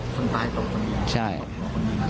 คนตายตบคนยิง